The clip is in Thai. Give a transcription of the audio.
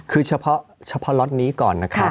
คือเฉพาะล็อตนี้ก่อนนะครับ